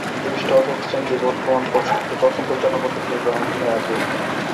দুই স্টক এক্সচেঞ্জই বর্তমান পর্ষদকে প্রথম পরিচালনা পর্ষদ হিসেবে গ্রহণে আগ্রহী।